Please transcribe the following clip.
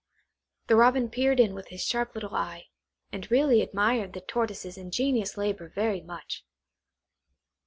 The Robin peered in with his sharp little eye, and really admired the Tortoise's ingenious labour very much.